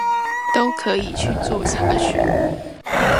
都可以去做查詢